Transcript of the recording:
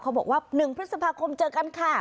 บอกว่า๑พฤษภาคมเจอกันค่ะ